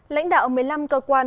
lãnh đạo một mươi năm cơ quan